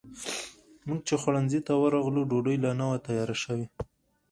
موږ چې خوړنځای ته ورغلو، ډوډۍ لا نه وه تیاره شوې.